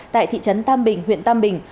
tại thị trấn tam bình huyện tam bình